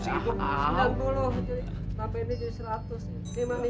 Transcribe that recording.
sembilan puluh sampai ini jadi seratus